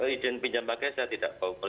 izin pinjam pakai saya tidak tahu